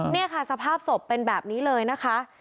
นี่ค่ะสภาพศพเป็นแบบนี้เลยนะคะ